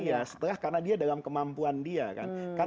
iya setelah karena dia dalam kemampuan dia kan